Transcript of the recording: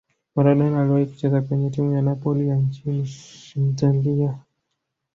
maradona aliwahi kucheza kwenye timu ya napoli ya nchini italia